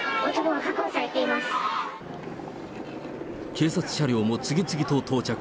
警察車両も次々と到着。